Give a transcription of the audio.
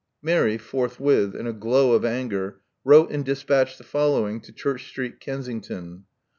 Mary forthwith, in a glow of anger, wrote and despatched the following to Church Street, Kensington.